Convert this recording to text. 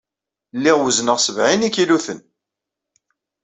Lliɣ wezneɣ sebɛin n yikiluten.